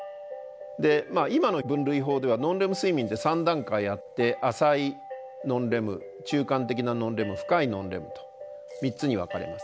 で今の分類法ではノンレム睡眠って３段階あって浅いノンレム中間的なノンレム深いノンレムと３つに分かれます。